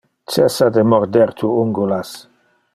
Cessa de morder tu ungulas.